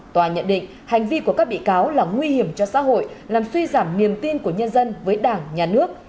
tòa nhận định hành vi của các bị cáo là nguy hiểm cho xã hội làm suy giảm niềm tin của nhân dân với đảng nhà nước